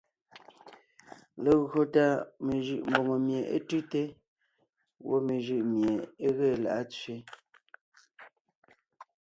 Legÿo tà mejʉʼ mbòŋo mie é tʉ́te; gwɔ́ mejʉʼ mié é ge lá’a tsẅé.